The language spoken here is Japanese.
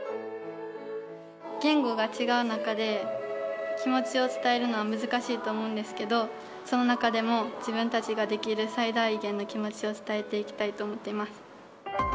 言語が違う中で、気持ちを伝えるのは難しいと思うんですけど、その中でも、自分たちができる最大限の気持ちを伝えていきたいと思っています。